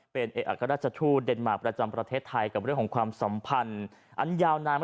เป็นเอกอัครราชทูตเดนมาร์คประจำประเทศไทยกับเรื่องของความสัมพันธ์อันยาวนาน